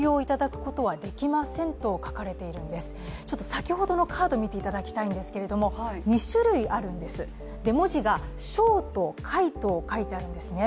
先ほどのカードを見ていただきたいんですけれども２種類あるんです、文字が「障」と「介」と書いてあるんですね。